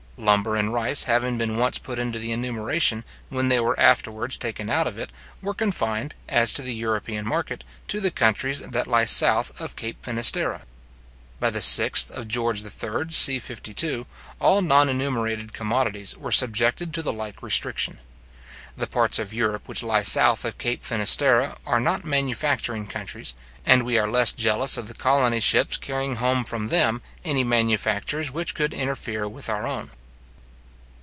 Lumber and rice having been once put into the enumeration, when they were afterwards taken out of it, were confined, as to the European market, to the countries that lie south of Cape Finisterre. By the 6th of George III. c. 52, all non enumerated commodities were subjected to the like restriction. The parts of Europe which lie south of Cape Finisterre are not manufacturing countries, and we are less jealous of the colony ships carrying home from them any manufactures which could interfere with our own.